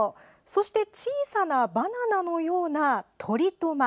そして小さなバナナのようなトリトマ。